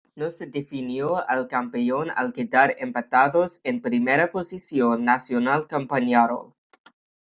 No se definió el campeón al quedar empatados en primera posición Nacional con Peñarol.